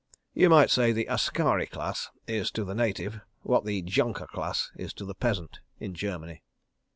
... You might say the askari class is to the Native what the Junker class is to the peasant, in Germany."